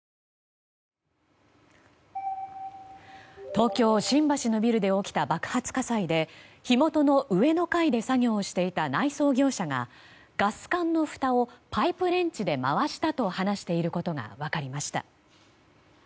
東京・新橋のビルで起きた爆発火災で火元の上の階で作業をしていた内装業者がガス管のふたをパイプレンチで回したと話していることが分かりました。